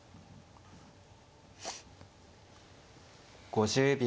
５０秒。